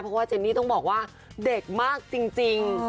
เพราะว่าเจนนี่ต้องบอกว่าเด็กมากจริง